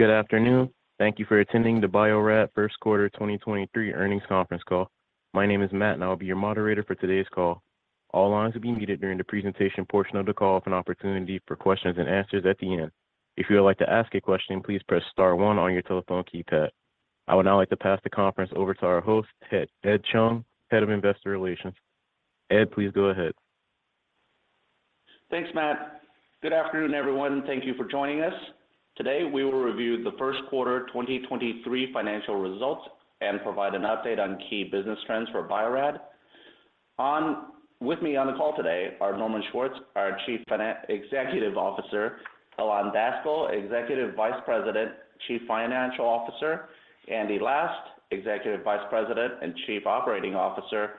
Good afternoon. Thank you for attending the Bio-Rad first quarter 2023 earnings conference call. My name is Matt. I'll be your moderator for today's call. All lines will be muted during the presentation portion of the call with an opportunity for questions and answers at the end. If you would like to ask a question, please press star one on your telephone keypad. I would now like to pass the conference over to our host, Ed Chung, Head of Investor Relations. Ed, please go ahead. Thanks, Matt. Good afternoon, everyone. Thank you for joining us. Today we will review the first quarter 2023 financial results and provide an update on key business trends for Bio-Rad. With me on the call today are Norman Schwartz, our Chief Executive Officer, Ilan Daskal, Executive Vice President, Chief Financial Officer, Andy Last, Executive Vice President and Chief Operating Officer,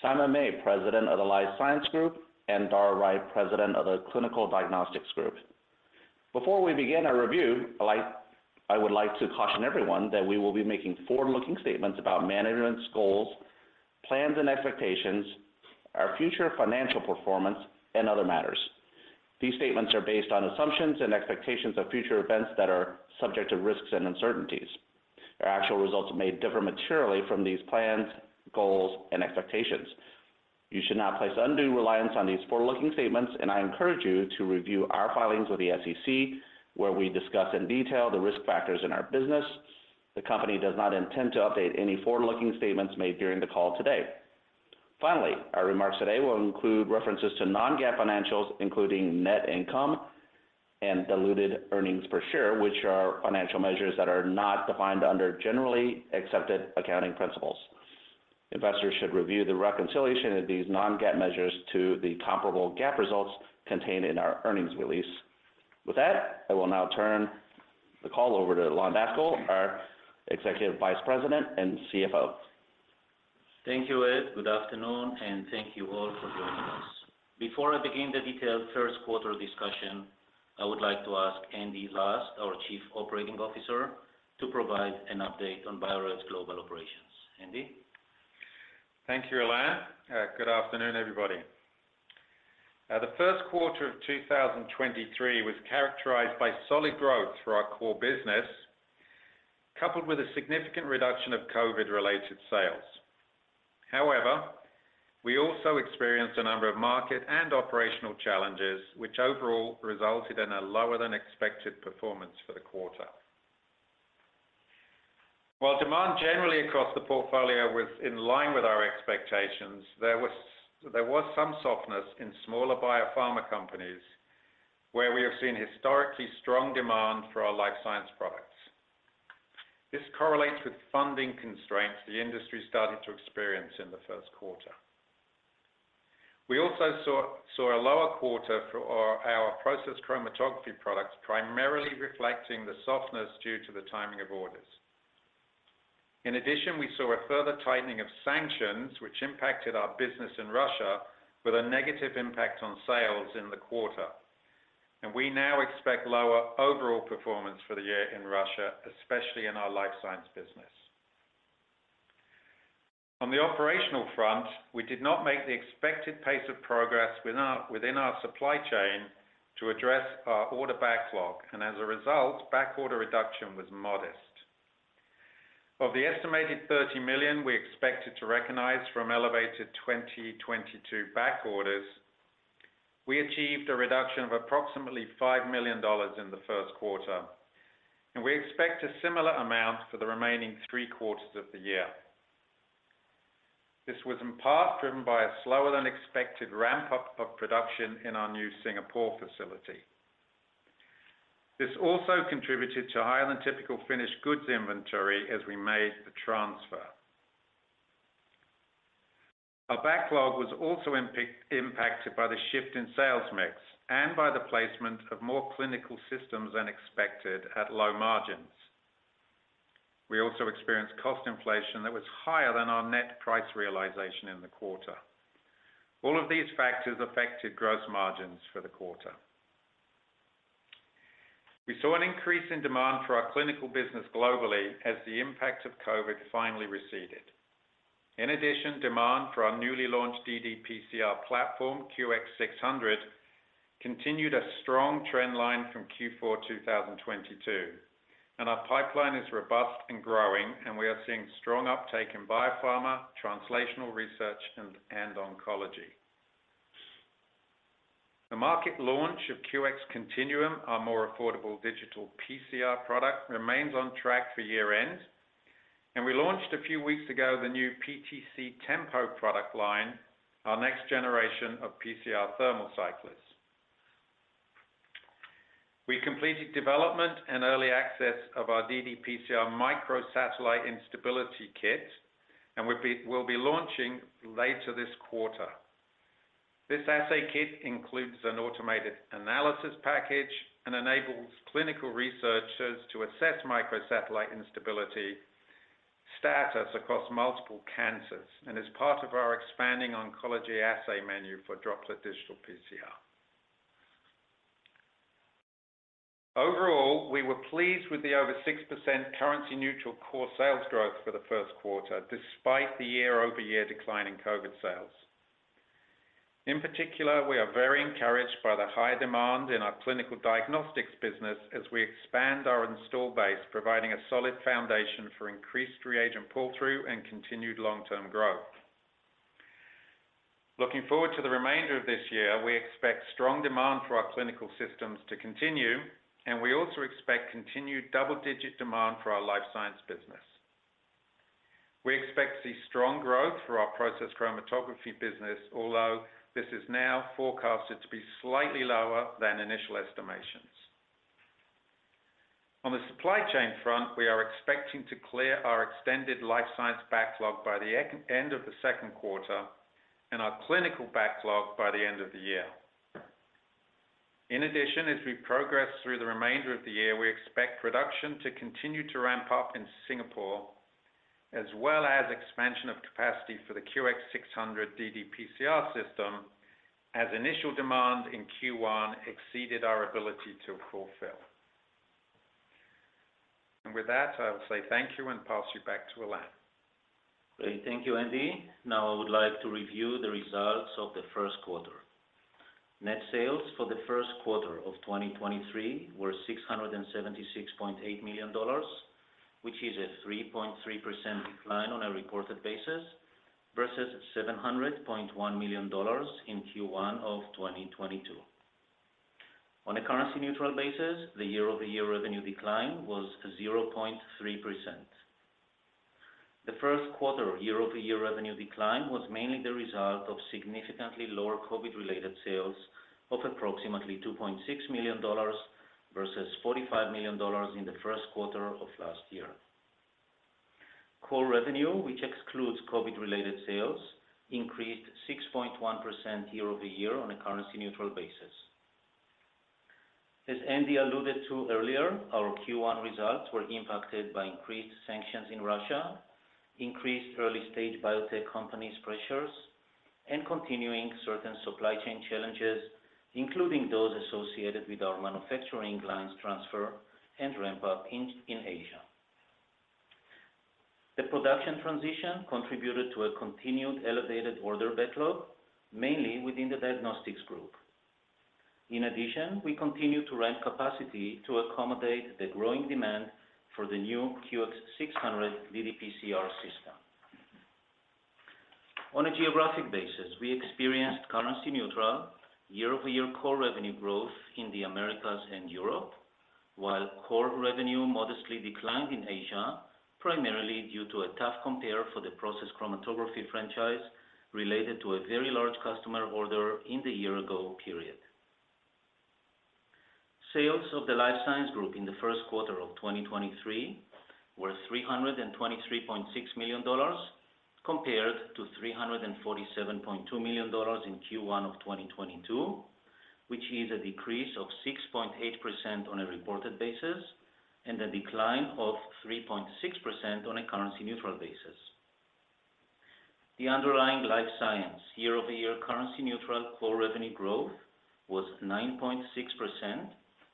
Simon May, President of the Life Science Group, and Dara Wright, President of the Clinical Diagnostics Group. Before we begin our review, I would like to caution everyone that we will be making forward-looking statements about management's goals, plans, and expectations, our future financial performance, and other matters. These statements are based on assumptions and expectations of future events that are subject to risks and uncertainties. Our actual results may differ materially from these plans, goals, and expectations. You should not place undue reliance on these forward-looking statements. I encourage you to review our filings with the SEC where we discuss in detail the risk factors in our business. The company does not intend to update any forward-looking statements made during the call today. Our remarks today will include references to non-GAAP financials, including net income and diluted earnings per share, which are financial measures that are not defined under generally accepted accounting principles. Investors should review the reconciliation of these non-GAAP measures to the comparable GAAP results contained in our earnings release. With that, I will now turn the call over to Ilan Daskal, our Executive Vice President and CFO. Thank you, Ed. Good afternoon, and thank you all for joining us. Before I begin the detailed first quarter discussion, I would like to ask Andy Last, our Chief Operating Officer, to provide an update on Bio-Rad's global operations. Andy. Thank you, Ilan. Good afternoon, everybody. The first quarter of 2023 was characterized by solid growth for our core business, coupled with a significant reduction of COVID-related sales. We also experienced a number of market and operational challenges, which overall resulted in a lower than expected performance for the quarter. While demand generally across the portfolio was in line with our expectations, there was some softness in smaller biopharma companies where we have seen historically strong demand for our Life Science products. This correlates with funding constraints the industry started to experience in the first quarter. We also saw a lower quarter for our process chromatography products, primarily reflecting the softness due to the timing of orders. In addition, we saw a further tightening of sanctions, which impacted our business in Russia with a negative impact on sales in the quarter. We now expect lower overall performance for the year in Russia, especially in our life science business. On the operational front, we did not make the expected pace of progress within our supply chain to address our order backlog, and as a result, backorder reduction was modest. Of the estimated $30 million we expected to recognize from elevated 2022 backorders, we achieved a reduction of approximately $5 million in the first quarter, and we expect a similar amount for the remaining three quarters of the year. This was in part driven by a slower than expected ramp-up of production in our new Singapore facility. This also contributed to higher than typical finished goods inventory as we made the transfer. Our backlog was also impacted by the shift in sales mix and by the placement of more clinical systems than expected at low margins. We also experienced cost inflation that was higher than our net price realization in the quarter. All of these factors affected gross margins for the quarter. We saw an increase in demand for our clinical business globally as the impact of COVID finally receded. Demand for our newly launched ddPCR platform, QX600, continued a strong trend line from Q4 2022, and our pipeline is robust and growing, and we are seeing strong uptake in biopharma, translational research and oncology. The market launch of QX Continuum, our more affordable digital PCR product, remains on track for year-end, and we launched a few weeks ago the new PTC Tempo product line, our next generation of PCR thermal cyclers. We completed development and early access of our ddPCR Microsatellite Instability Kit and will be launching later this quarter. This assay kit includes an automated analysis package and enables clinical researchers to assess microsatellite instability status across multiple cancers, and is part of our expanding oncology assay menu for Droplet Digital PCR. We were pleased with the over 6% currency neutral core sales growth for the first quarter, despite the year-over-year decline in COVID sales. We are very encouraged by the high demand in our Clinical Diagnostics business as we expand our install base, providing a solid foundation for increased reagent pull-through and continued long-term growth. Looking forward to the remainder of this year, we expect strong demand for our clinical systems to continue, and we also expect continued double-digit demand for our Life Science business. We expect to see strong growth for our process chromatography business, although this is now forecasted to be slightly lower than initial estimations. On the supply chain front, we are expecting to clear our extended Life Science backlog by the end of the second quarter and our Clinical backlog by the end of the year. In addition, as we progress through the remainder of the year, we expect production to continue to ramp up in Singapore, as well as expansion of capacity for the QX600 ddPCR system as initial demand in Q1 exceeded our ability to fulfill. With that, I'll say thank you and pass you back to Ilan. Great. Thank you, Andy. I would like to review the results of the first quarter. Net sales for the first quarter of 2023 were $676.8 million, which is a 3.3% decline on a reported basis versus $700.1 million in Q1 of 2022. On a currency-neutral basis, the year-over-year revenue decline was 0.3%. The first quarter year-over-year revenue decline was mainly the result of significantly lower COVID-related sales of approximately $2.6 million versus $45 million in the first quarter of last year. Core revenue, which excludes COVID-related sales, increased 6.1% year-over-year on a currency-neutral basis. As Andy alluded to earlier, our Q1 results were impacted by increased sanctions in Russia, increased early-stage biotech companies pressures, and continuing certain supply chain challenges, including those associated with our manufacturing lines transfer and ramp up in Asia. The production transition contributed to a continued elevated order backlog, mainly within the diagnostics group. In addition, we continue to ramp capacity to accommodate the growing demand for the new QX600 ddPCR system. On a geographic basis, we experienced currency neutral year-over-year core revenue growth in the Americas and Europe, while core revenue modestly declined in Asia, primarily due to a tough compare for the process chromatography franchise related to a very large customer order in the year-ago period. Sales of the Life Science Group in the first quarter of 2023 were $323.6 million, compared to $347.2 million in Q1 of 2022, which is a decrease of 6.8% on a reported basis and a decline of 3.6% on a currency neutral basis. The underlying Life Science year-over-year currency neutral core revenue growth was 9.6%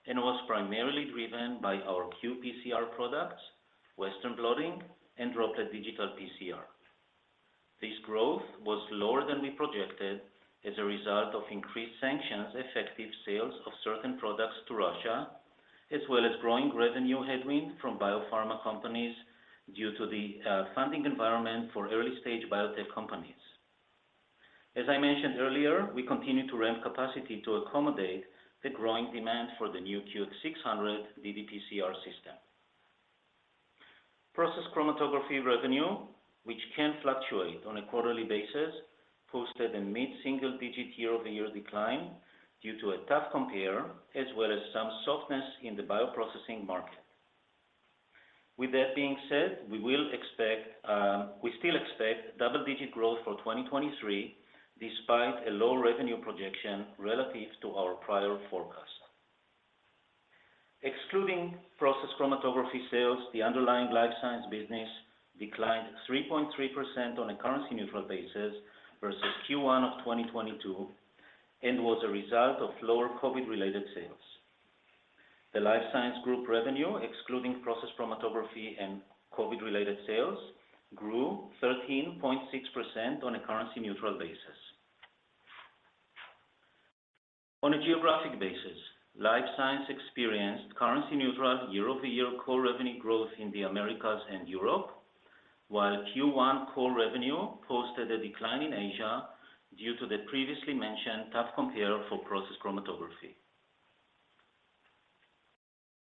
and was primarily driven by our qPCR products, western blotting, and Droplet Digital PCR. This growth was lower than we projected as a result of increased sanctions, effective sales of certain products to Russia, as well as growing revenue headwind from biopharma companies due to the funding environment for early-stage biotech companies. As I mentioned earlier, we continue to ramp capacity to accommodate the growing demand for the new QX600 ddPCR system. Process chromatography revenue, which can fluctuate on a quarterly basis, posted a mid-single digit year-over-year decline due to a tough compare, as well as some softness in the bioprocessing market. With that being said, we still expect double-digit growth for 2023 despite a low revenue projection relative to our prior forecast. Excluding process chromatography sales, the underlying life science business declined 3.3% on a currency neutral basis versus Q1 of 2022, and was a result of lower COVID-related sales. The Life Science Group revenue, excluding process chromatography and COVID-related sales, grew 13.6% on a currency neutral basis. On a geographic basis, Life Science experienced currency neutral year-over-year core revenue growth in the Americas and Europe. Q1 core revenue posted a decline in Asia due to the previously mentioned tough compare for process chromatography.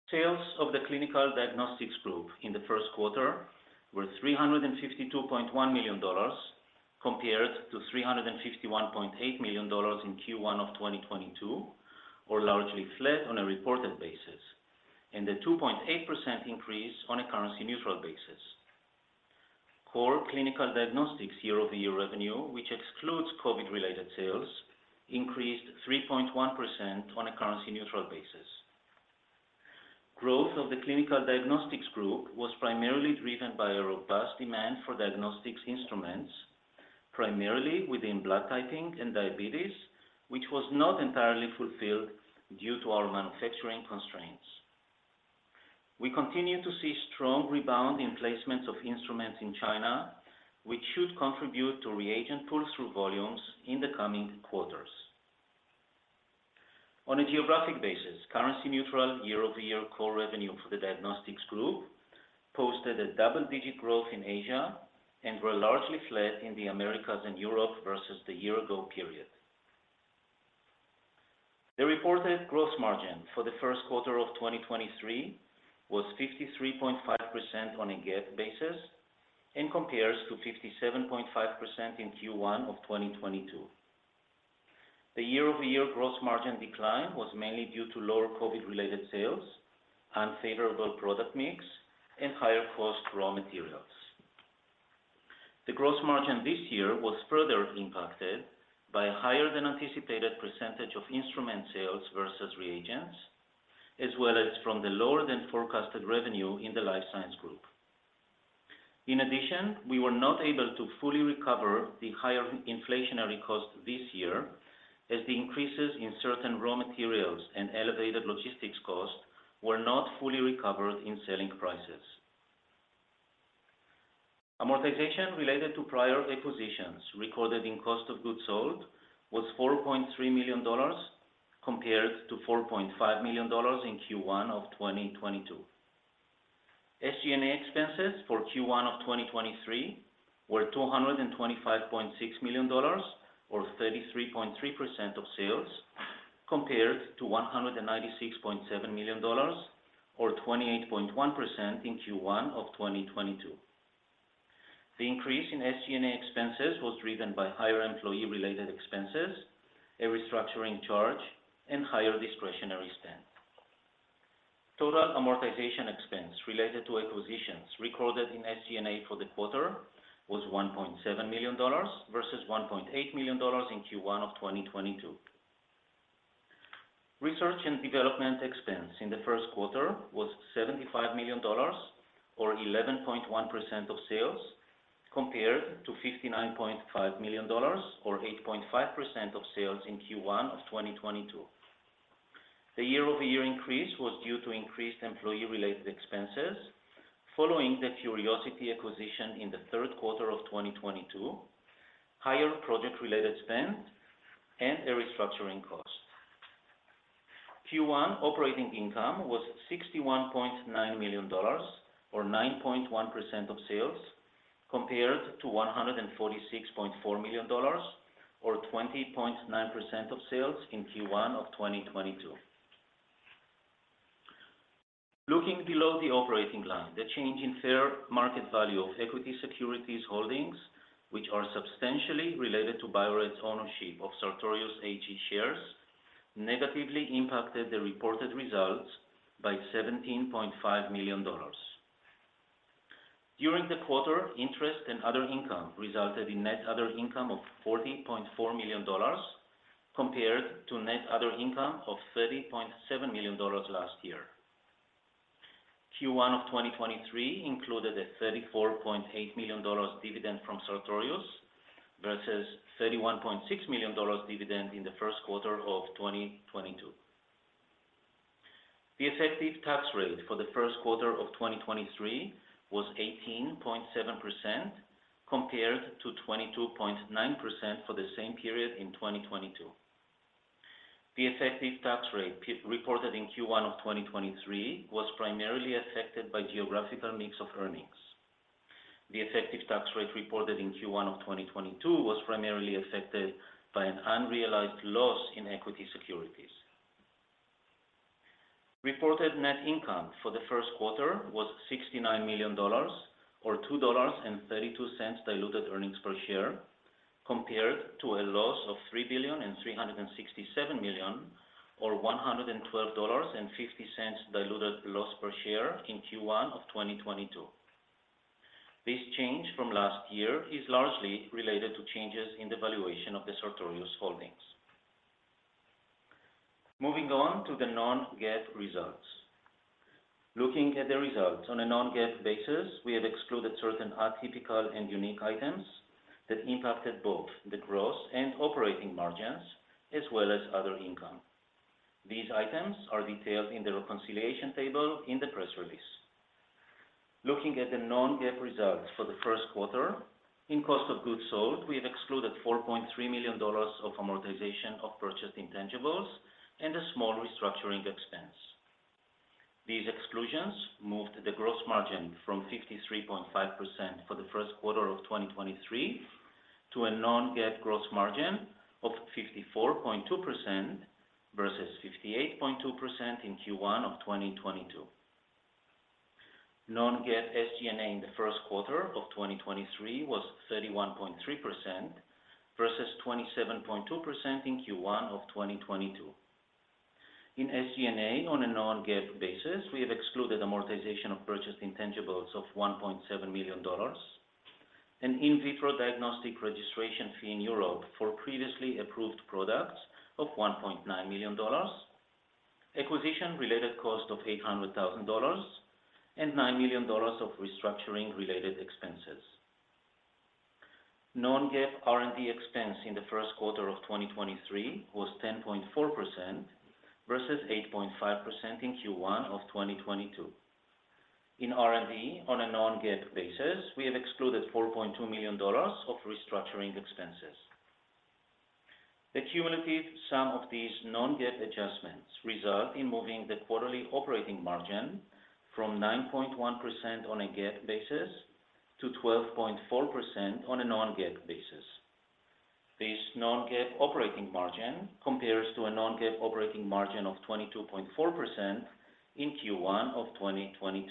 Sales of the Clinical Diagnostics Group in the first quarter were $352.1 million compared to $351.8 million in Q1 of 2022, or largely flat on a reported basis, and a 2.8% increase on a currency neutral basis. Core Clinical Diagnostics year-over-year revenue, which excludes COVID-related sales, increased 3.1% on a currency neutral basis. Growth of the Clinical Diagnostics Group was primarily driven by a robust demand for diagnostics instruments, primarily within blood typing and diabetes, which was not entirely fulfilled due to our manufacturing constraints. We continue to see strong rebound in placements of instruments in China, which should contribute to reagent pull-through volumes in the coming quarters. On a geographic basis, currency neutral year-over-year core revenue for the Diagnostics Group posted a double-digit growth in Asia and were largely flat in the Americas and Europe versus the year-ago period. The reported gross margin for the first quarter of 2023 was 53.5% on a GAAP basis and compares to 57.5% in Q1 of 2022. The year-over-year gross margin decline was mainly due to lower COVID-related sales, unfavorable product mix, and higher cost raw materials. The gross margin this year was further impacted by a higher than anticipated percentage of instrument sales versus reagents, as well as from the lower than forecasted revenue in the Life Science Group. We were not able to fully recover the higher inflationary cost this year as the increases in certain raw materials and elevated logistics costs were not fully recovered in selling prices. Amortization related to prior acquisitions recorded in cost of goods sold was $4.3 million, compared to $4.5 million in Q1 of 2022. SG&A expenses for Q1 of 2023 were $225.6 million or 33.3% of sales, compared to $196.7 million or 28.1% in Q1 of 2022. The increase in SG&A expenses was driven by higher employee-related expenses, a restructuring charge, and higher discretionary spend. Total amortization expense related to acquisitions recorded in SG&A for the quarter was $1.7 million versus $1.8 million in Q1 of 2022. Research and development expense in the first quarter was $75 million or 11.1% of sales, compared to $59.5 million or 8.5% of sales in Q1 of 2022. The year-over-year increase was due to increased employee-related expenses following the Curiosity acquisition in the third quarter of 2022, higher project-related spend, and a restructuring cost. Q1 operating income was $61.9 million or 9.1% of sales, compared to $146.4 million or 20.9% of sales in Q1 of 2022. Looking below the operating line, the change in fair market value of equity securities holdings, which are substantially related to Bio-Rad's ownership of Sartorius AG shares, negatively impacted the reported results by $17.5 million. During the quarter, interest and other income resulted in net other income of $40.4 million compared to net other income of $30.7 million last year. Q1 of 2023 included a $34.8 million dividend from Sartorius versus $31.6 million dividend in the first quarter of 2022. The effective tax rate for the first quarter of 2023 was 18.7%, compared to 22.9% for the same period in 2022. The effective tax rate reported in Q1 of 2023 was primarily affected by geographical mix of earnings. The effective tax rate reported in Q1 of 2022 was primarily affected by an unrealized loss in equity securities. Reported net income for the first quarter was $69 million or $2.32 diluted earnings per share, compared to a loss of $3,367 million or $112.50 diluted loss per share in Q1 of 2022. This change from last year is largely related to changes in the valuation of the Sartorius holdings. Moving on to the non-GAAP results. Looking at the results on a non-GAAP basis, we have excluded certain atypical and unique items that impacted both the gross and operating margins as well as other income. These items are detailed in the reconciliation table in the press release. Looking at the non-GAAP results for the first quarter, in cost of goods sold, we have excluded $4.3 million of amortization of purchased intangibles and a small restructuring expense. These exclusions moved the gross margin from 53.5% for the first quarter of 2023 to a non-GAAP gross margin of 54.2% versus 58.2% in Q1 of 2022. Non-GAAP SG&A in the first quarter of 2023 was 31.3% versus 27.2% in Q1 of 2022. In SG&A on a non-GAAP basis, we have excluded amortization of purchased intangibles of $1.7 million and in-vitro diagnostic registration fee in Europe for previously approved products of $1.9 million, acquisition-related cost of $800,000, and $9 million of restructuring related expenses. Non-GAAP R&D expense in the first quarter of 2023 was 10.4% versus 8.5% in Q1 of 2022. In R&D on a non-GAAP basis, we have excluded $4.2 million of restructuring expenses. The cumulative sum of these non-GAAP adjustments result in moving the quarterly operating margin from 9.1% on a GAAP basis to 12.4% on a non-GAAP basis. This non-GAAP operating margin compares to a non-GAAP operating margin of 22.4% in Q1 of 2022.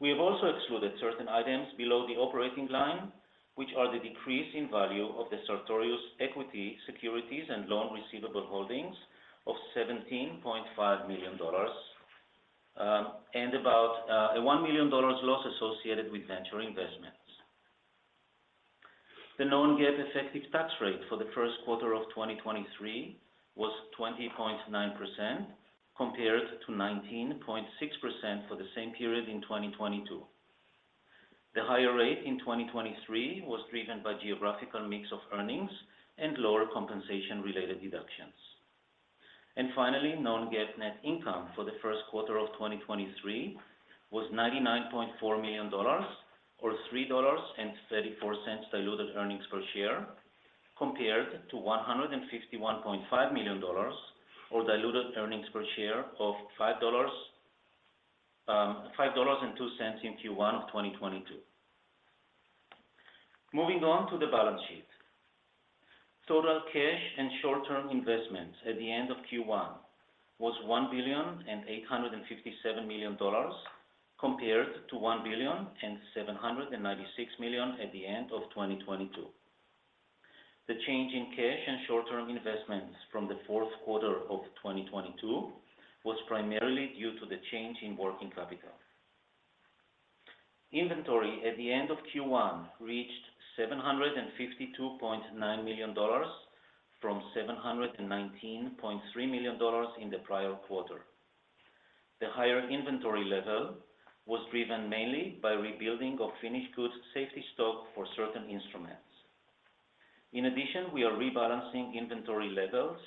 We have also excluded certain items below the operating line, which are the decrease in value of the Sartorius equity securities and loan receivable holdings of $17.5 million, and about a $1 million loss associated with venture investments. The non-GAAP effective tax rate for the first quarter of 2023 was 20.9% compared to 19.6% for the same period in 2022. The higher rate in 2023 was driven by geographical mix of earnings and lower compensation related deductions. Finally, non-GAAP net income for the first quarter of 2023 was $99.4 million or $3.34 diluted earnings per share, compared to $151.5 million or diluted earnings per share of $5.02 in Q1 of 2022. Moving on to the balance sheet. Total cash and short-term investments at the end of Q1 was $1,857 million, compared to $1,796 million at the end of 2022. The change in cash and short-term investments from the fourth quarter of 2022 was primarily due to the change in working capital. Inventory at the end of Q1 reached $752.9 million from $719.3 million in the prior quarter. The higher inventory level was driven mainly by rebuilding of finished goods safety stock for certain instruments. In addition, we are rebalancing inventory levels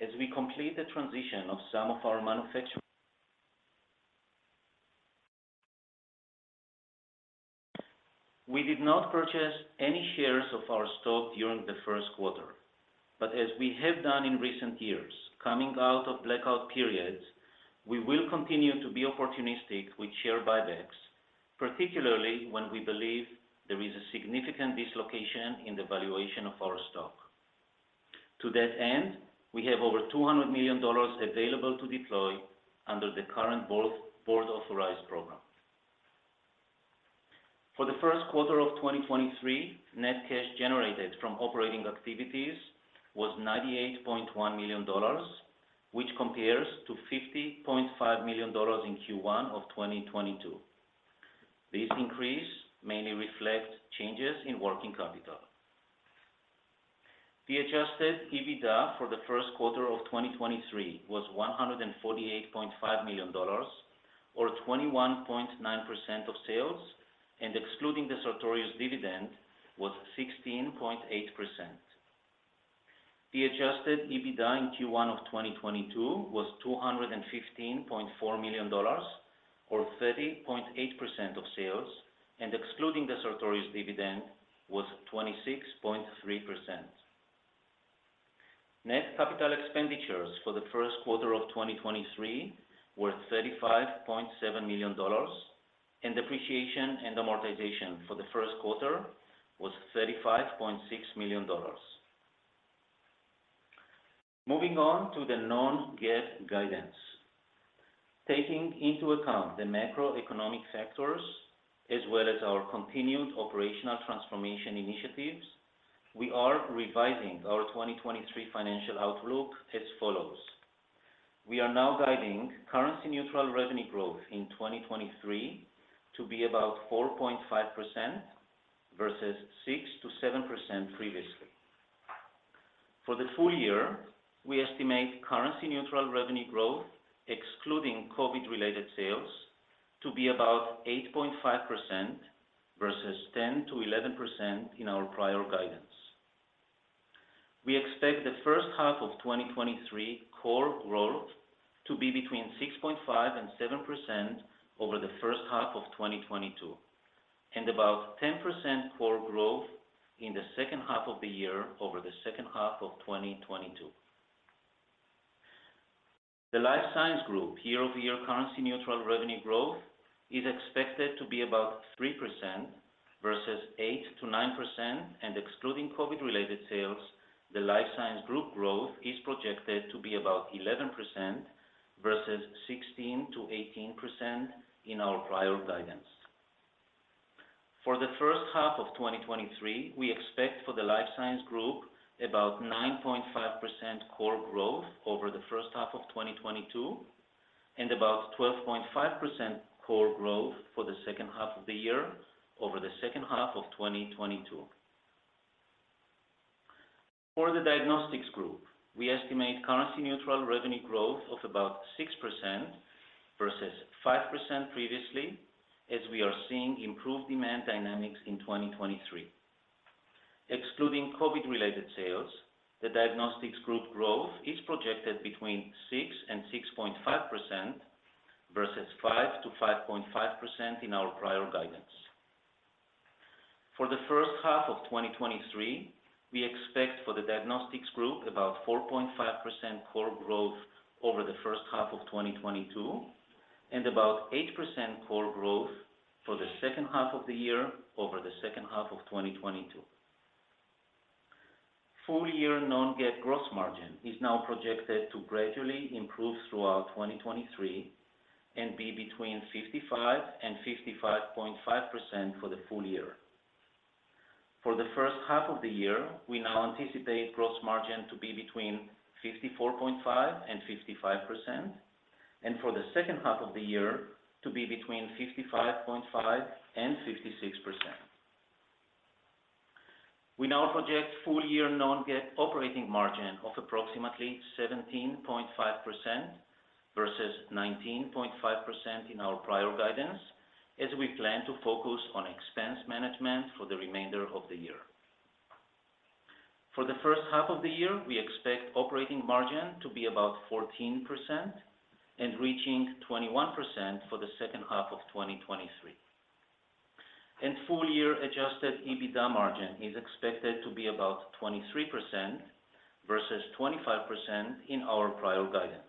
as we complete the transition of some of our manufacturing. We did not purchase any shares of our stock during the first quarter, but as we have done in recent years, coming out of blackout periods, we will continue to be opportunistic with share buybacks, particularly when we believe there is a significant dislocation in the valuation of our stock. To that end, we have over $200 million available to deploy under the current board authorized program. For the first quarter of 2023, net cash generated from operating activities was $98.1 million, which compares to $50.5 million in Q1 of 2022. This increase mainly reflect changes in working capital. The adjusted EBITDA for the first quarter of 2023 was $148.5 million or 21.9% of sales, and excluding the Sartorius dividend was 16.8%. The adjusted EBITDA in Q1 of 2022 was $215.4 million or 30.8% of sales, and excluding the Sartorius dividend was 26.3%. Net capital expenditures for the first quarter of 2023 were $35.7 million, and depreciation and amortization for the first quarter was $35.6 million. Moving on to the non-GAAP guidance. Taking into account the macroeconomic factors as well as our continued operational transformation initiatives, we are revising our 2023 financial outlook as follows. We are now guiding currency neutral revenue growth in 2023 to be about 4.5% versus 6%-7% previously. For the full year, we estimate currency neutral revenue growth, excluding COVID-related sales, to be about 8.5% versus 10%-11% in our prior guidance. We expect the first half of 2023 core growth to be between 6.5% and 7% over the first half of 2022, and about 10% core growth in the second half of the year over the second half of 2022. The Life Science Group year-over-year currency neutral revenue growth is expected to be about 3% versus 8%-9%, and excluding COVID-related sales, the Life Science Group growth is projected to be about 11% versus 16%-18% in our prior guidance. For the first half of 2023, we expect for the Life Science Group about 9.5% core growth over the first half of 2022, and about 12.5% core growth for the second half of the year over the second half of 2022. For the Diagnostics Group, we estimate currency neutral revenue growth of about 6% versus 5% previously, as we are seeing improved demand dynamics in 2023. Excluding COVID-related sales, the Diagnostics Group growth is projected between 6% and 6.5% versus 5%-5.5% in our prior guidance. For the first half of 2023, we expect for the Diagnostics Group about 4.5% core growth over the first half of 2022, and about 8% core growth for the second half of the year over the second half of 2022. Full year non-GAAP gross margin is now projected to gradually improve throughout 2023 and be between 55% and 55.5% for the full year. For the first half of the year, we now anticipate gross margin to be between 54.5% and 55%, and for the second half of the year to be between 55.5% and 66%. We now project full-year non-GAAP operating margin of approximately 17.5% versus 19.5% in our prior guidance, as we plan to focus on expense management for the remainder of the year. For the first half of the year, we expect operating margin to be about 14% and reaching 21% for the second half of 2023. Full year adjusted EBITDA margin is expected to be about 23% versus 25% in our prior guidance.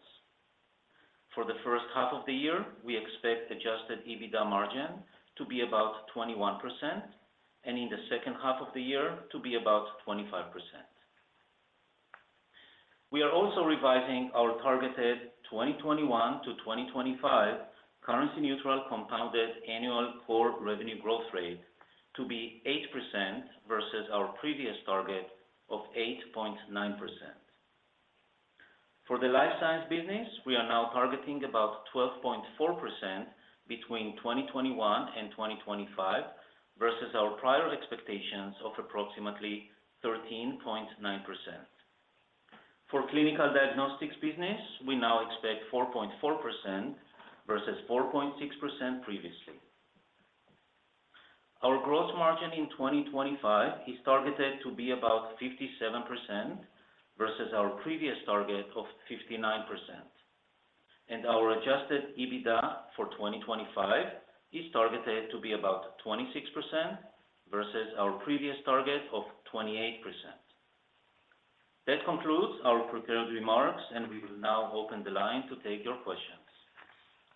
For the first half of the year, we expect adjusted EBITDA margin to be about 21% and in the second half of the year to be about 25%. We are also revising our targeted 2021 to 2025 currency neutral compounded annual core revenue growth rate to be 8% versus our previous target of 8.9%. For the Life Science business, we are now targeting about 12.4% between 2021 and 2025 versus our prior expectations of approximately 13.9%. For Clinical Diagnostics business, we now expect 4.4% versus 4.6% previously. Our gross margin in 2025 is targeted to be about 57% versus our previous target of 59%. Our adjusted EBITDA for 2025 is targeted to be about 26% versus our previous target of 28%. That concludes our prepared remarks, and we will now open the line to take your questions.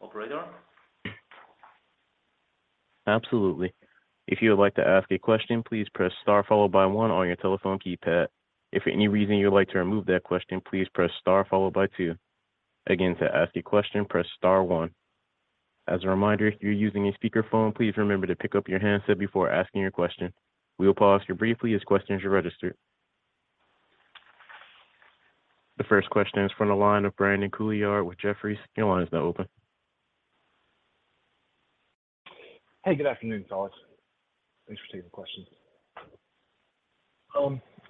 Operator? Absolutely. If you would like to ask a question, please press star followed by one on your telephone keypad. If for any reason you would like to remove that question, please press star followed by two. Again, to ask a question, press star one. As a reminder, if you're using a speakerphone, please remember to pick up your handset before asking your question. We will pause here briefly as questions are registered. The first question is from the line of Brandon Couillard with Jefferies. Your line is now open. Hey, good afternoon, fellas. Thanks for taking the questions.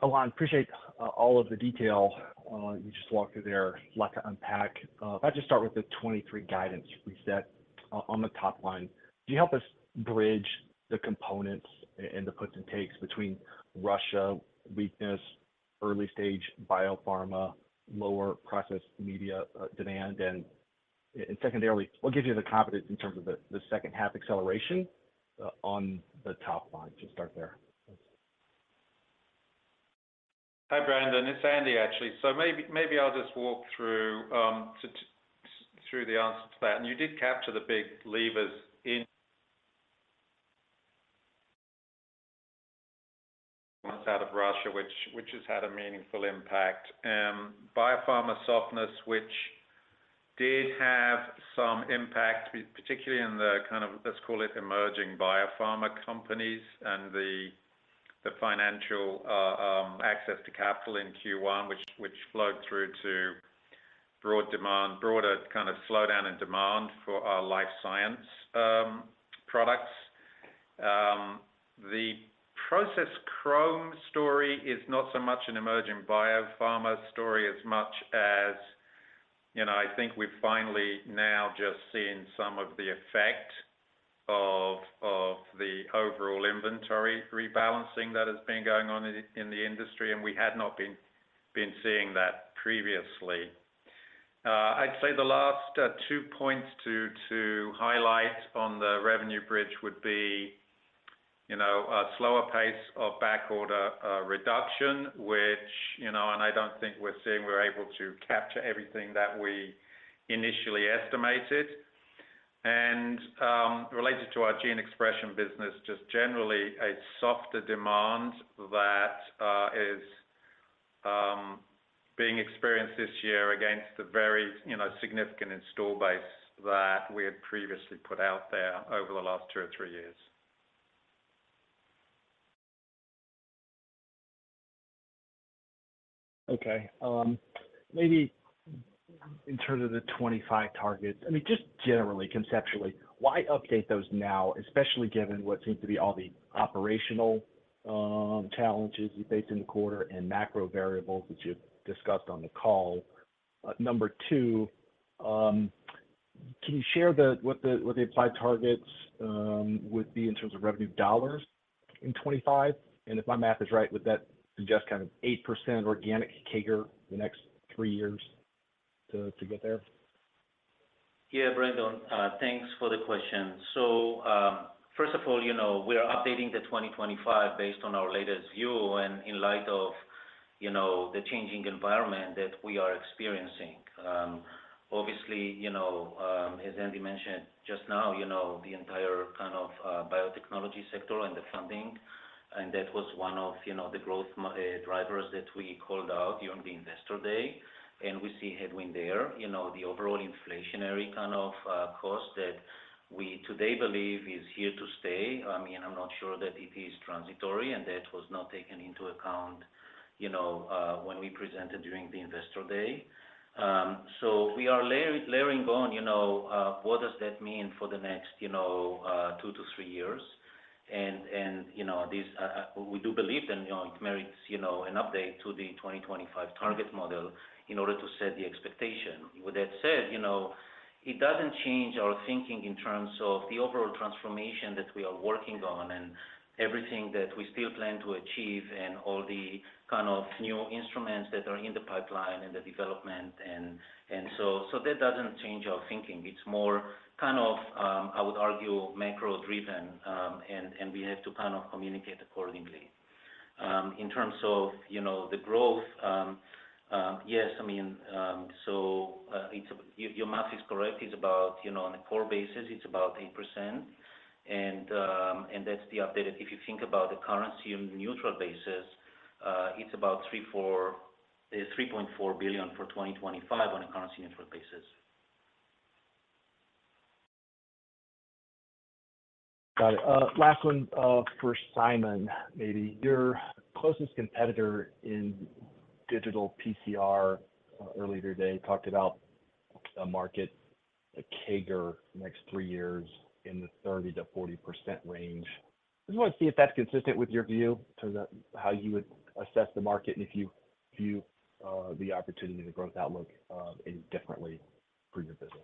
Ilan, appreciate all of the detail you just walked through there. Lot to unpack. If I just start with the 23 guidance reset on the top line, can you help us bridge the components and the puts and takes between Russia weakness, early stage biopharma, lower process media demand, and secondarily, what gives you the confidence in terms of the second half acceleration on the top line? Just start there. Hi, Brandon. It's Andy, actually. Maybe I'll just walk through the answer to that. You did capture the big levers in out of Russia, which has had a meaningful impact. Biopharma softness, which did have some impact, particularly in the kind of, let's call it, emerging biopharma companies and the financial access to capital in Q1, which flowed through to broad demand, broader kind of slowdown in demand for our life science products. The process chromatography story is not so much an emerging biopharma story as much as, you know, I think we've finally now just seen some of the effect of the overall inventory rebalancing that has been going on in the industry, we had not been seeing that previously. I'd say the last two points to highlight on the revenue bridge would be, you know, a slower pace of back order reduction, which, you know, I don't think we're able to capture everything that we initially estimated. Related to our gene expression business, just generally a softer demand that is being experienced this year against a very, you know, significant install base that we had previously put out there over the last two or three years. Okay. In terms of the 2025 targets, I mean, just generally conceptually, why update those now, especially given what seems to be all the operational challenges you faced in the quarter and macro variables, which you've discussed on the call? Number two, can you share what the applied targets would be in terms of revenue dollars in 2025? If my math is right, would that suggest kind of 8% organic CAGR the next three years to get there? Brandon, thanks for the question. First of all, you know, we are updating the 2025 based on our latest view and in light of, you know, the changing environment that we are experiencing. Obviously, you know, as Andy mentioned just now, you know, the entire kind of biotechnology sector and the funding, and that was one of, you know, the growth drivers that we called out during the Investor Day, and we see headwind there. You know, the overall inflationary kind of cost that we today believe is here to stay. I mean, I'm not sure that it is transitory, and that was not taken into account, you know, when we presented during the Investor Day. So we are layering on, you know, what does that mean for the next, you know, two-three years. You know, this, we do believe then, you know, it merits, you know, an update to the 2025 target model in order to set the expectation. With that said, you know, it doesn't change our thinking in terms of the overall transformation that we are working on and everything that we still plan to achieve and all the kind of new instruments that are in the pipeline and the development and so that doesn't change our thinking. It's more kind of, I would argue, macro-driven, and we have to kind of communicate accordingly. In terms of, you know, the growth, yes, I mean, your math is correct. It's about, you know, on a core basis, it's about 8%. That's the updated. If you think about the currency on neutral basis, it's about $3.4 billion for 2025 on a currency neutral basis. Got it. Last one, for Simon, maybe. Your closest competitor in digital PCR, earlier today talked about a market, a CAGR next three years in the 30%-40% range. I just want to see if that's consistent with your view in terms of how you would assess the market and if you view, the opportunity, the growth outlook, any differently for your business.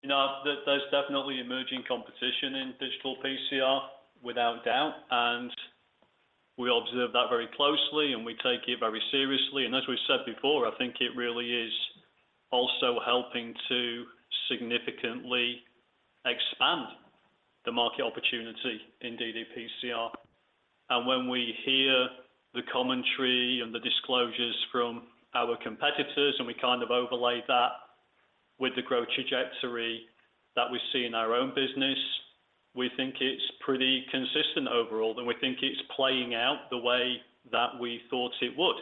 Thank you. You know, there's definitely emerging competition in digital PCR without doubt. We observe that very closely, and we take it very seriously. As we've said before, I think it really is also helping to significantly expand the market opportunity in ddPCR. When we hear the commentary and the disclosures from our competitors, and we kind of overlay that with the growth trajectory that we see in our own business, we think it's pretty consistent overall, and we think it's playing out the way that we thought it would.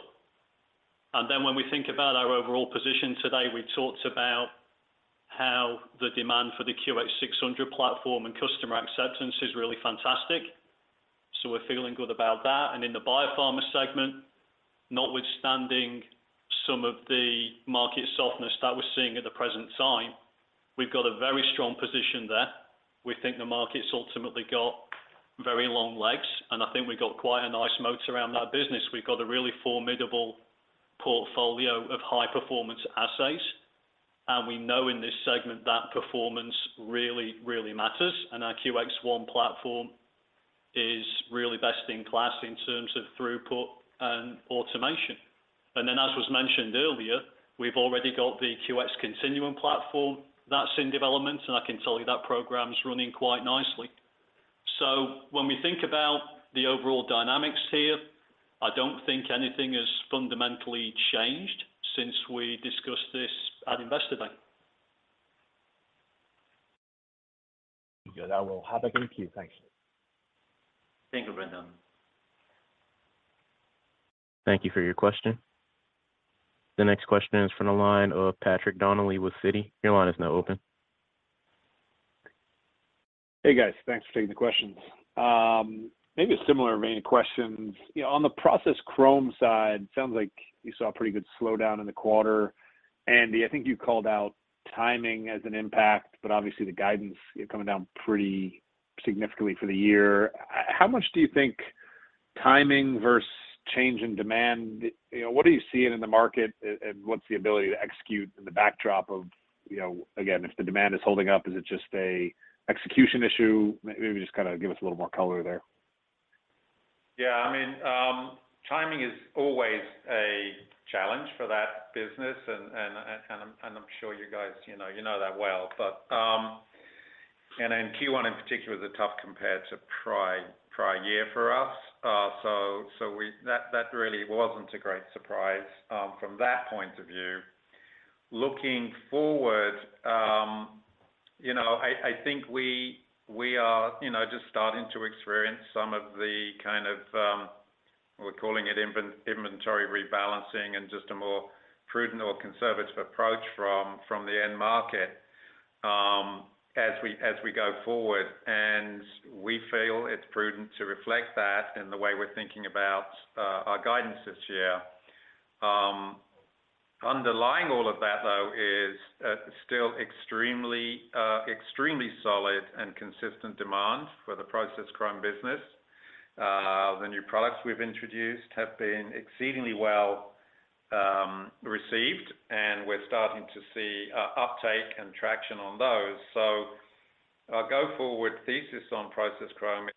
When we think about our overall position today, we talked about how the demand for the QX600 platform and customer acceptance is really fantastic. We're feeling good about that. In the biopharma segment, notwithstanding some of the market softness that we're seeing at the present time, we've got a very strong position there. We think the market's ultimately got very long legs, and I think we've got quite a nice moat around that business. We've got a really formidable portfolio of high-performance assays, and we know in this segment that performance really, really matters. Our QX ONE platform is really best in class in terms of throughput and automation. Then as was mentioned earlier, we've already got the QX Continuum platform that's in development, and I can tell you that program's running quite nicely. When we think about the overall dynamics here, I don't think anything has fundamentally changed since we discussed this at Investor Day. Good. I will have it. Thank you. Thanks. Thank you, Brandon. Thank you for your question. The next question is from the line of Patrick Donnelly with Citi. Your line is now open. Hey, guys. Thanks for taking the questions. Maybe a similar vein question. You know, on the process chromatography side, sounds like you saw a pretty good slowdown in the quarter. Andy, I think you called out timing as an impact, but obviously the guidance, you're coming down pretty significantly for the year. How much do you think timing versus change in demand, you know, what are you seeing in the market and what's the ability to execute in the backdrop of, you know, again, if the demand is holding up, is it just an execution issue? Maybe just kind of give us a little more color there. Yeah. I mean, timing is always a challenge for that business and I'm sure you guys, you know that well. Q1 in particular is a tough compared to prior year for us. That really wasn't a great surprise from that point of view. Looking forward, you know, I think we are, you know, just starting to experience some of the kind of, we're calling it inventory rebalancing and just a more prudent or conservative approach from the end market. As we go forward. We feel it's prudent to reflect that in the way we're thinking about our guidance this year. Underlying all of that, though, is still extremely solid and consistent demand for the process chromatography business. The new products we've introduced have been exceedingly well received, and we're starting to see uptake and traction on those. Our go-forward thesis on process chromatography.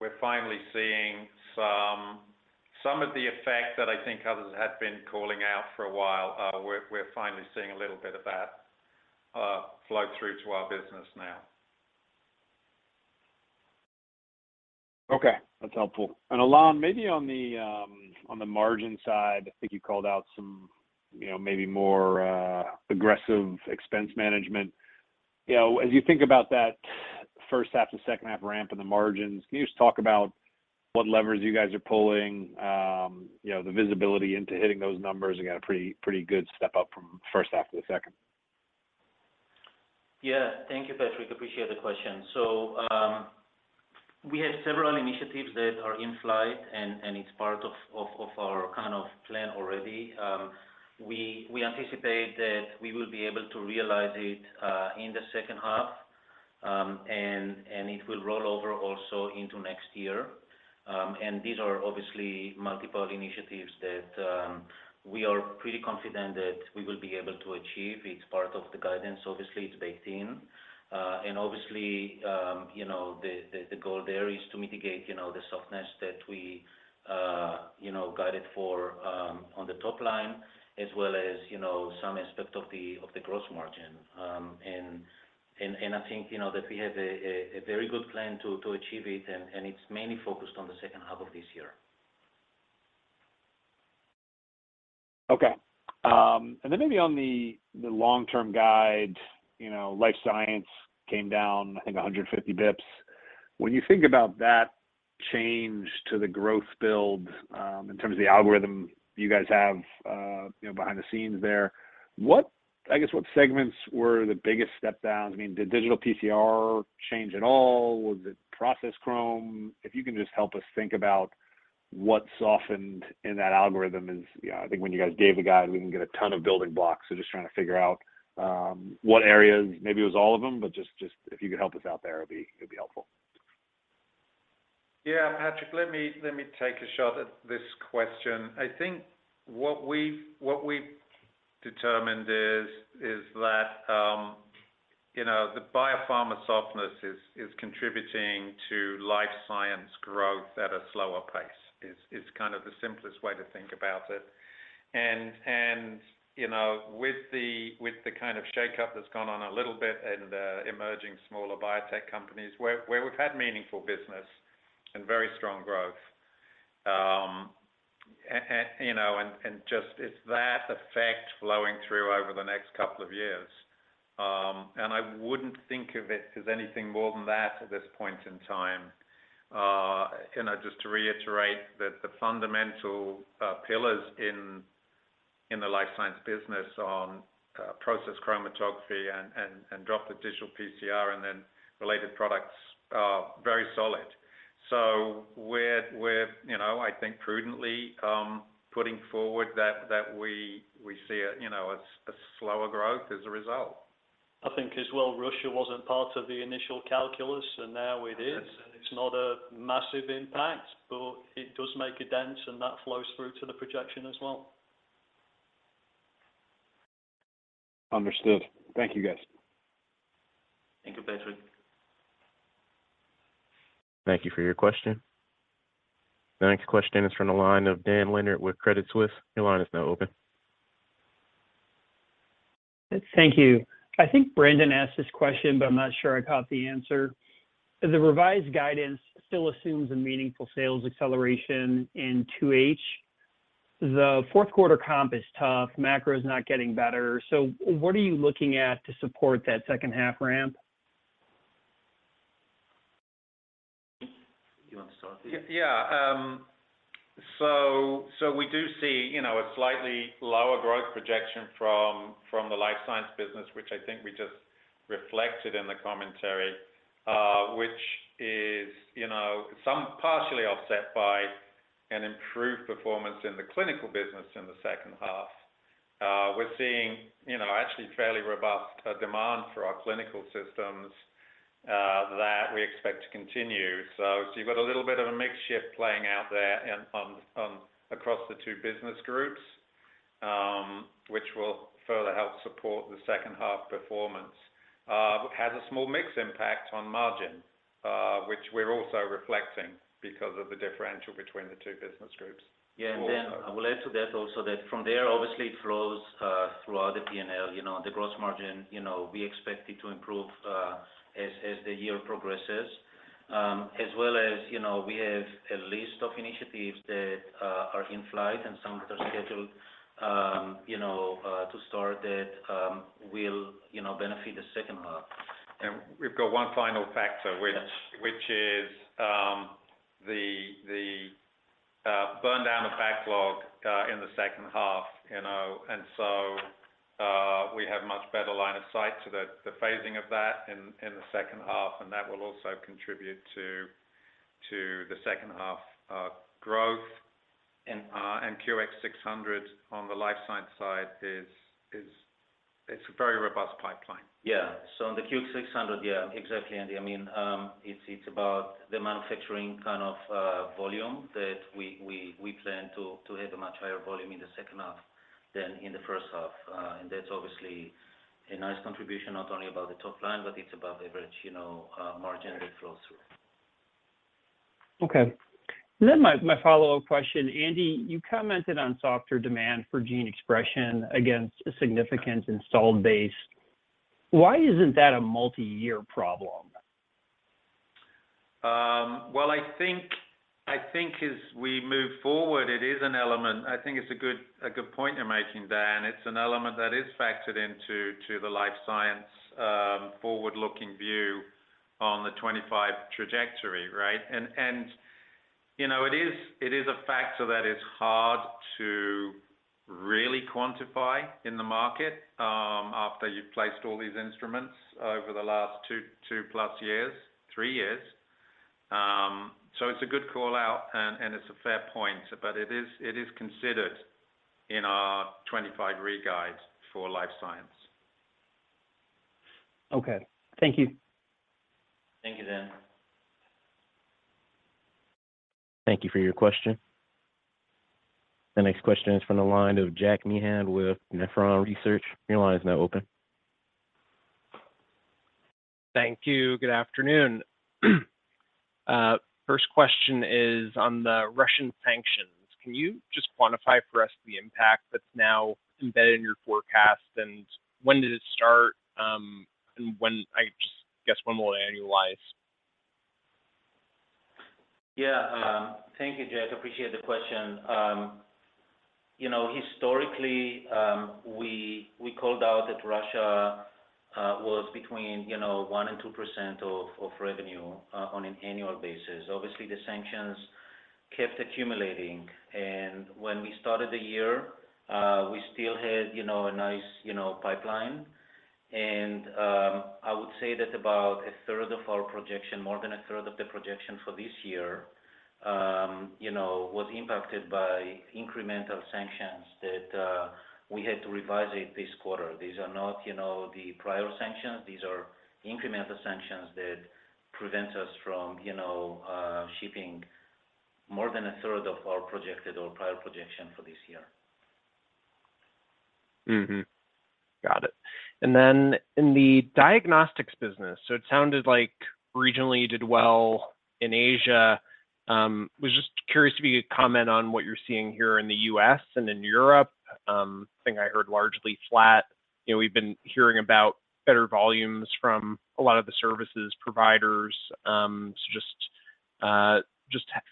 We're finally seeing some of the effect that I think others had been calling out for a while. We're finally seeing a little bit of that flow through to our business now. Okay, that's helpful. Ilan, maybe on the margin side. I think you called out some, you know, maybe more aggressive expense management. You know, as you think about that First Half to Second Half ramp in the margins, can you just talk about what levers you guys are pulling, you know, the visibility into hitting those numbers and get a pretty good step up from First Half to the Second? Thank you, Patrick. Appreciate the question. We have several initiatives that are in flight and it's part of our kind of plan already. We anticipate that we will be able to realize it in the second half. It will roll over also into next year. These are obviously multiple initiatives that we are pretty confident that we will be able to achieve. It's part of the guidance. Obviously, it's baked in. Obviously, you know, the goal there is to mitigate, you know, the softness that we, you know, guided for on the top line as well as, you know, some aspect of the gross margin. I think, you know, that we have a very good plan to achieve it, and it's mainly focused on the second half of this year. Okay. Maybe on the long-term guide, you know, Life Science came down, I think 150 basis points. When you think about that change to the growth build, in terms of the algorithm you guys have, you know, behind the scenes there, I guess, what segments were the biggest step downs? I mean, did digital PCR change at all? Was it process chromatography? If you can just help us think about what softened in that algorithm. You know, I think when you guys gave the guide, we didn't get a ton of building blocks. Just trying to figure out what areas. Maybe it was all of them, just if you could help us out there, it'd be helpful. Yeah, Patrick, let me take a shot at this question. I think what we determined is that, you know, the biopharma softness is contributing to life science growth at a slower pace, is kind of the simplest way to think about it. You know, with the kind of shakeup that's gone on a little bit in the emerging smaller biotech companies where we've had meaningful business and very strong growth, and, you know, and just it's that effect flowing through over the next couple of years. I wouldn't think of it as anything more than that at this point in time. You know, just to reiterate that the fundamental pillars in the Life Science business on process chromatography and Droplet Digital PCR and then related products are very solid. We're, you know, I think prudently, putting forward that we see a, you know, a slower growth as a result. I think as well, Russia wasn't part of the initial calculus, and now it is. Yes. It's not a massive impact, but it does make a dent, and that flows through to the projection as well. Understood. Thank you, guys. Thank you, Patrick. Thank you for your question. The next question is from the line of Dan Leonard with Credit Suisse. Your line is now open. Thank you. I think Brandon asked this question, but I'm not sure I caught the answer. Does the revised guidance still assumes a meaningful sales acceleration in two H? The fourth quarter comp is tough. Macro is not getting better. What are you looking at to support that second half ramp? You want to start, David? Yeah. We do see, you know, a slightly lower growth projection from the Life Science business, which I think we just reflected in the commentary, which is, you know, some partially offset by an improved performance in the Clinical business in the second half. We're seeing, you know, actually fairly robust demand for our clinical systems that we expect to continue. You've got a little bit of a mix shift playing out there and across the two business groups, which will further help support the second half performance. It has a small mix impact on margin, which we're also reflecting because of the differential between the two business groups. Yeah. Then I will add to that also that from there, obviously, it flows throughout the PNL, you know, the gross margin. You know, we expect it to improve as the year progresses. As well as, you know, we have a list of initiatives that are in flight and some are scheduled, you know, to start that will, you know, benefit the second half. We've got one final factor. Yes... which is, The burn down the backlog in the second half, you know. We have much better line of sight to the phasing of that in the second half, and that will also contribute to the second half growth. QX600 on the Life Science side is it's a very robust pipeline. On the QX600, exactly, Andy. I mean, it's about the manufacturing volume that we plan to have a much higher volume in the second half than in the first half. That's obviously a nice contribution, not only about the top line, but it's about average, you know, margin that flows through. Okay. My follow-up question. Andy, you commented on softer demand for gene expression against a significant installed base. Why isn't that a multi-year problem? Well, I think as we move forward, it is an element. I think it's a good point you're making, Dan. It's an element that is factored into the Life Science forward-looking view on the 25 trajectory, right? You know, it is a factor that is hard to really quantify in the market after you've placed all these instruments over the last two plus years, three years. It's a good call-out and it's a fair point, but it is considered in our 25 re-guides for Life Science. Okay. Thank you. Thank you, Dan. Thank you for your question. The next question is from the line of Jack Meehan with Nephron Research. Your line is now open. Thank you. Good afternoon. First question is on the Russian sanctions. Can you just quantify for us the impact that's now embedded in your forecast, and when did it start, I just guess one more annualize? Yeah. Thank you, Jack. I appreciate the question. You know, historically, we called out that Russia was between, you know, 1% and 2% of revenue on an annual basis. Obviously, the sanctions kept accumulating. When we started the year, we still had, you know, a nice, you know, pipeline. I would say that about a third of our projection, more than a third of the projection for this year, you know, was impacted by incremental sanctions that we had to revise it this quarter. These are not, you know, the prior sanctions. These are incremental sanctions that prevents us from, you know, shipping more than a third of our projected or prior projection for this year. Got it. In the diagnostics business, it sounded like regionally you did well in Asia. Was just curious if you could comment on what you're seeing here in the U.S. and in Europe. I think I heard largely flat. You know, we've been hearing about better volumes from a lot of the services providers. just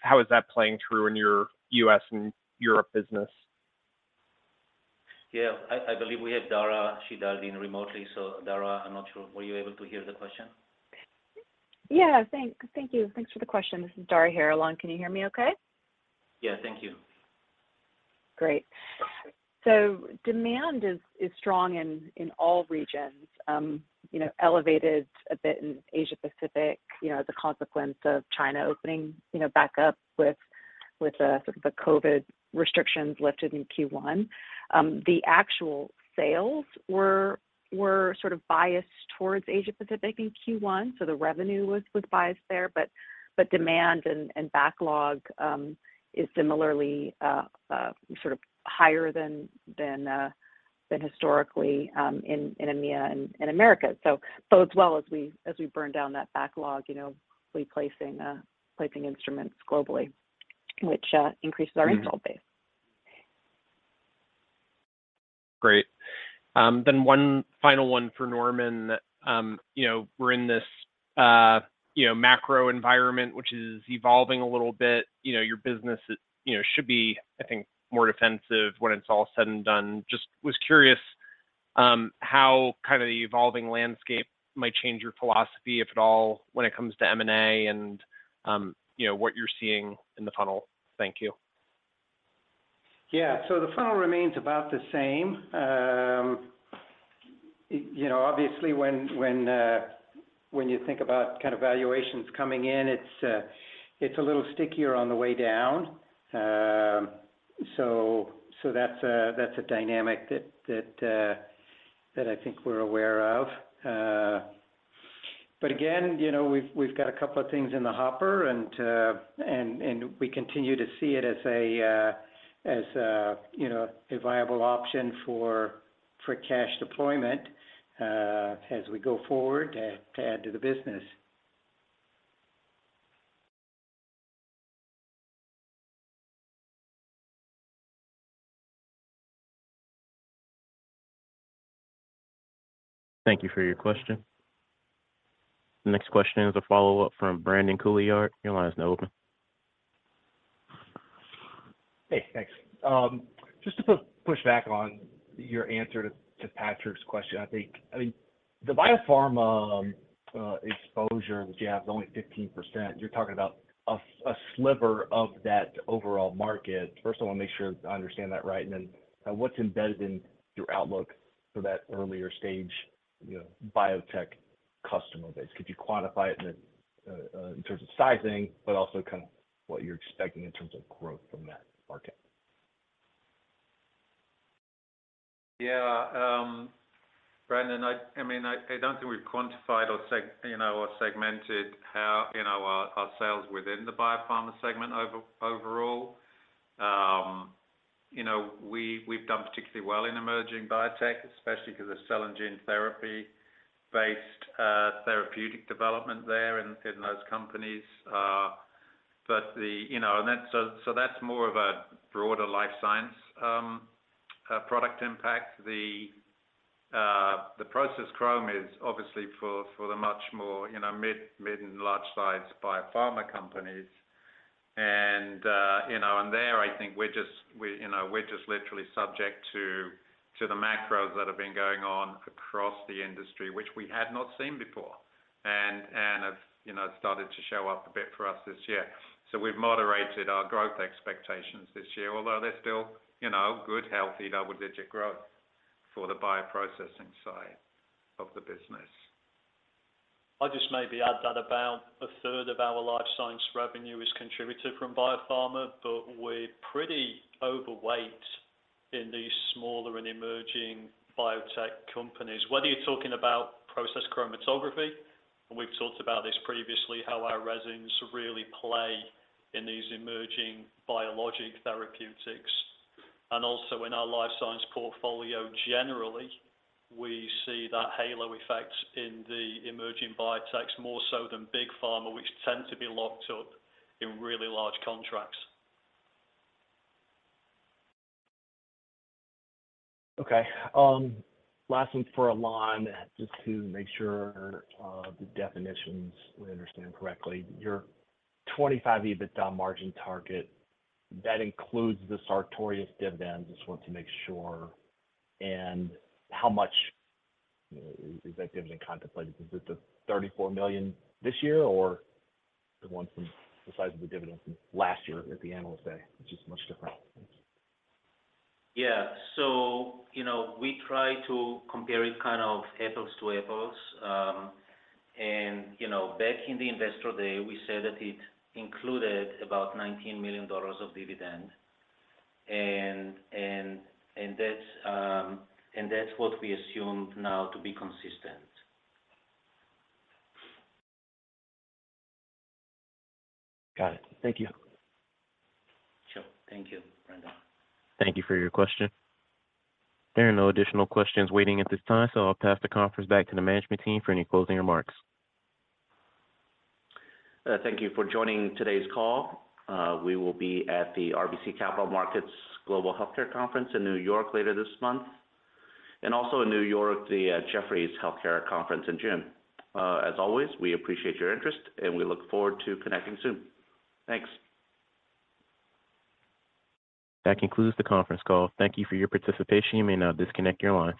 how is that playing through in your U.S. and Europe business? Yeah. I believe we have Dara. She dialed in remotely. Dara, I'm not sure, were you able to hear the question? Yeah. Thank you. Thanks for the question. This is Dara here, Ilan. Can you hear me okay? Yeah. Thank you. Great. Demand is strong in all regions. you know, elevated a bit in Asia Pacific, you know, as a consequence of China opening, you know, back up with the sort of the COVID restrictions lifted in Q1. The actual sales were sort of biased towards Asia Pacific in Q1, so the revenue was biased there. Demand and backlog is similarly sort of higher than historically in EMEA and in America. Both as well as we burn down that backlog, you know, replacing placing instruments globally, which increases our install base. Great. One final one for Norman. You know, we're in this, you know, macro environment, which is evolving a little bit. You know, your business you know, should be, I think, more defensive when it's all said and done. Just was curious, how kind of the evolving landscape might change your philosophy, if at all, when it comes to M&A and, you know, what you're seeing in the funnel. Thank you. Yeah. The funnel remains about the same. You know, obviously when you think about kind of valuations coming in, it's a little stickier on the way down. That's a dynamic that I think we're aware of. Again, you know, we've got a couple of things in the hopper and we continue to see it as a, you know, a viable option for cash deployment, as we go forward to add to the business. Thank you for your question. The next question is a follow-up from Brandon Couillard. Your line is now open. Hey, thanks. Just to push back on your answer to Patrick's question. I mean, the biopharma exposure in the jab is only 15%. You're talking about a sliver of that overall market. First, I wanna make sure I understand that right, and then what's embedded in your outlook for that earlier stage, you know, biotech customer base? Could you quantify it in terms of sizing, but also kind of what you're expecting in terms of growth from that market? Yeah. Brandon, I mean, I don't think we've quantified or segmented how, you know, our sales within the biopharma segment overall. You know, we've done particularly well in emerging biotech, especially because of cell and gene therapy based therapeutic development there in those companies. You know, That's more of a broader life science product impact. The process chromatography is obviously for the much more, you know, mid and large size biopharma companies. You know, and there, I think we're just, you know, we're just literally subject to the macros that have been going on across the industry, which we had not seen before and have, you know, started to show up a bit for us this year. We've moderated our growth expectations this year, although they're still, you know, good, healthy double-digit growth for the bioprocessing side of the business. I'll just maybe add that about a third of our life science revenue is contributed from biopharma, but we're pretty overweight in these smaller and emerging biotech companies. Whether you're talking about process chromatography, and we've talked about this previously, how our resins really play in these emerging biologic therapeutics. Also in our life science portfolio generally, we see that halo effect in the emerging biotechs more so than big pharma, which tend to be locked up in really large contracts. Okay. Last one for Ilan, just to make sure, the definitions we understand correctly. Your 25 EBITDA margin target, that includes the Sartorius dividend. Just want to make sure. How much, you know, is that dividend contemplated? Is it the $34 million this year or the one from the size of the dividend from last year at the Analyst Day, which is much different? Thanks. Yeah. you know, we try to compare it kind of apples to apples. you know, back in the Investor Day, we said that it included about $19 million of dividend. and that's what we assumed now to be consistent. Got it. Thank you. Sure. Thank you, Brandon. Thank you for your question. There are no additional questions waiting at this time. I'll pass the conference back to the management team for any closing remarks. Thank you for joining today's call. We will be at the RBC Capital Markets Global Healthcare conference in New York later this month. Also in New York, the Jefferies Global Healthcare conference in June. As always, we appreciate your interest, and we look forward to connecting soon. Thanks. That concludes the conference call. Thank you for your participation. You may now disconnect your lines.